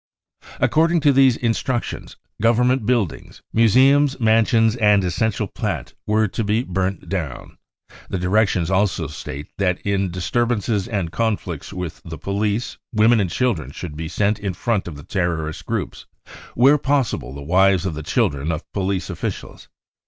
"According to these instructions, Government build ings, museums, mansions and essential plant were to be; ' burnt down. The directions also state that, in disturb ances and conflicts with the police, women and children should be sent in front of the terrorist groups, where possible the wives and children of police officials.